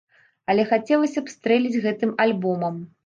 Але хацелася б стрэліць гэтым альбомам.